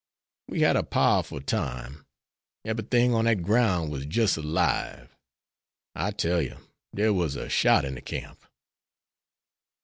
We had a powerful time. Eberythin' on dat groun' was jis' alive. I tell yer, dere was a shout in de camp."